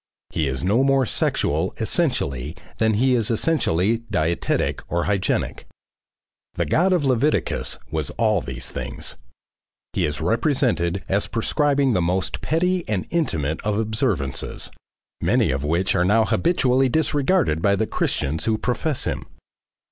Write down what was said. He is no more sexual essentially than he is essentially dietetic or hygienic. The God of Leviticus was all these things. He is represented as prescribing the most petty and intimate of observances many of which are now habitually disregarded by the Christians who profess him.